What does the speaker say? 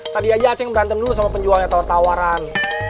tadi aja aceh berantem dulu sama penjualnya tawar tawaran